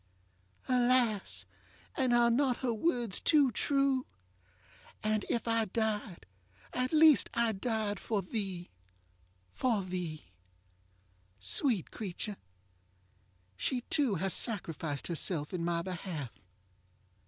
ŌĆØ Alas! and are not her words too true? ŌĆ£And if I died, at least I died For theeŌĆöfor thee. ŌĆØ Sweet creature! she too has sacrificed herself in my behalf.